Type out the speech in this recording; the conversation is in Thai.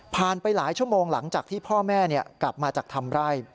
ไปหลายชั่วโมงหลังจากที่พ่อแม่กลับมาจากทำไร่